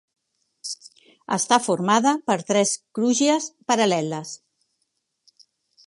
Està formada per tres crugies paral·leles.